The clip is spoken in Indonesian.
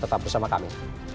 tetap bersama kami